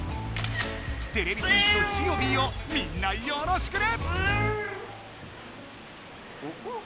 てれび戦士とジオビーをみんなよろしくね！